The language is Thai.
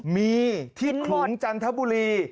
มีที่ขลุงจันทบุรี